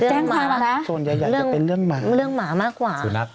แจ้งความอะไรคะเรื่องหมามากกว่า